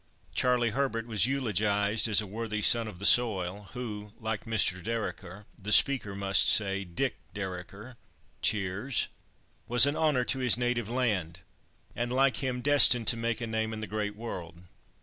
Charlie Herbert was eulogised as a worthy son of the soil, who, like Mr. Dereker—the speaker must say "Dick" Dereker (cheers)—was an honour to his native land, and like him, destined to make a name in the great world.